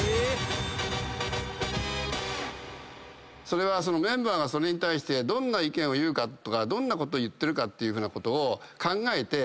それはメンバーがそれに対してどんな意見を言うかとかどんなことを言ってるかっていうふうなことを考えて。